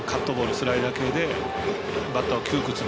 スライダー系でバッターは窮屈に。